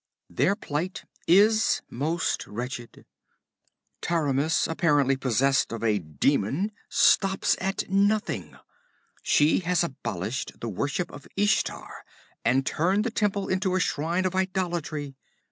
'Their plight is most wretched. Taramis, apparently possessed of a demon, stops at nothing. She has abolished the worship of Ishtar, and turned the temple into a shrine of idolatry.